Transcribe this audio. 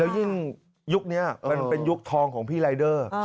ยิ่งยุคนี้มันเป็นยุคทองของพี่รายเดอร์